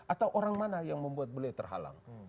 atau orang mana yang membuat beliau terhalang